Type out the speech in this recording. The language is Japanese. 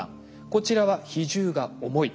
こちらは比重が重い。